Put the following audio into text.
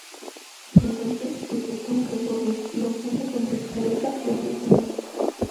Entonces, sujeta un revolver, lo apunta contra su cabeza, y aprieta el gatillo.